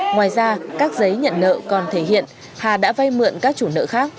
ngoài ra các giấy nhận nợ còn thể hiện hà đã vay mượn các chủ nợ khác